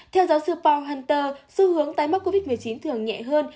theo giáo sư paul hunter xu hướng tái mắc covid một mươi chín thường nhẹ hơn